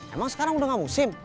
emang sekarang udah gak musim